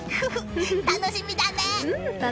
楽しみだね！